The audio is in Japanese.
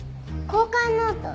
交換ノート？